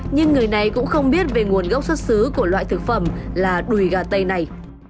nhưng người này cũng không biết về nguồn gốc xuất xứ của loại thực phẩm là đùi gà tây này